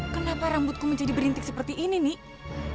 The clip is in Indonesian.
kenapa rambutku menjadi berintik seperti ini nih